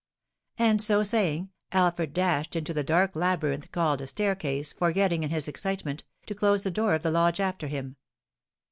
And so saying, Alfred dashed into the dark labyrinth called a staircase, forgetting, in his excitement, to close the door of the lodge after him.